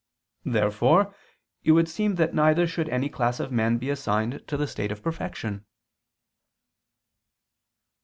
Therefore it would seem that neither should any class of men be assigned to the state of perfection.